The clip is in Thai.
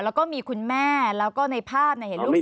แล้วก็มีคุณแม่แล้วก็ในภาพเห็นลูกสาว